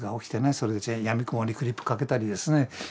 それでやみくもにクリップかけたりですね